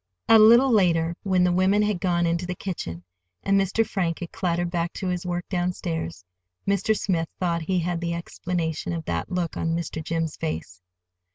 A little later, when the women had gone into the kitchen and Mr. Frank had clattered back to his work downstairs, Mr. Smith thought he had the explanation of that look on Mr. Jim's face.